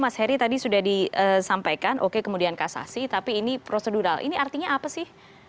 mas heri tadi sudah disampaikan oke kemudian kasasi tapi ini prosedural ini artinya apa sih